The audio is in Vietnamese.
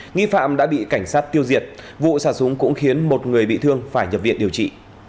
nghi phạm đã bị cảnh sát tiêu diệt vụ xả súng cũng khiến một người bị thương phải nhập viện điều trị